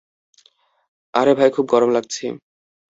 আরে ভাই খুব গরম লাগছে।